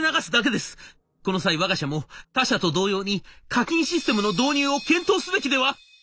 この際わが社も他社と同様に課金システムの導入を検討すべきでは」。